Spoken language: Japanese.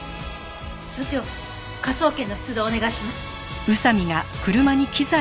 所長科捜研の出動をお願いします。